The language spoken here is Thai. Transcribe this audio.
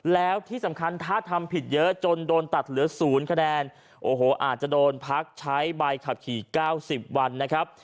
แล้วที่สำคัญถ้าทำผิดเยอะจนโดนตัดเหลือ๐คะแนนโอ้โหอาจจะโดนพักใช้ใบขับขี่๙๐วันนะครับ